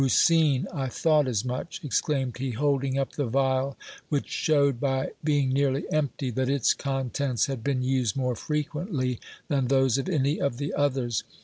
brucine! I thought as much," exclaimed he, holding up the vial, which showed, by being nearly empty, that its contents had been used more frequently than those of any of the others.